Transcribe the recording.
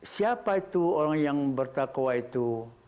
siapa itu orang yang bertakwa itu